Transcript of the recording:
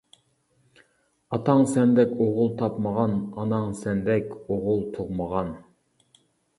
ئاتاڭ سەندەك ئوغۇل تاپمىغان ئاناڭ سەندەك ئوغۇل تۇغمىغان.